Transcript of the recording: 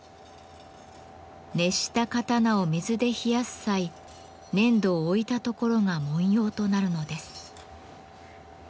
熱した刀を水で冷やす際粘土を置いた所が文様となるのです。